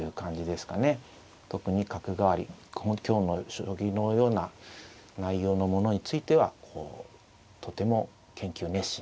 特に角換わり今日の将棋のような内容のものについてはこうとても研究熱心ですね。